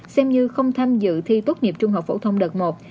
xem như không tham dự thi tốt nghiệp trung học phổ thông đợt một